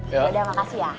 yaudah makasih ya